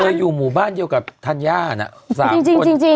เธออยู่หมู่บ้านเดียวกับทันยานะ๓คน